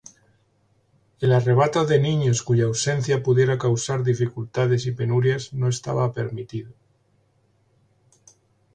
El arrebato de niños cuya ausencia pudiera causar dificultades y penurias no estaba permitido.